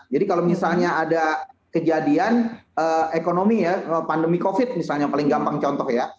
jadi kalau misalnya ada kejadian ekonomi ya pandemi covid misalnya paling gampang contoh ya